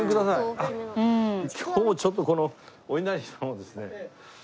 今日ちょっとおいなりさんをですね